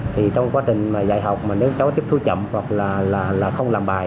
thì trong quá trình mà dạy học mà nếu cháu tiếp thu chậm hoặc là không làm bài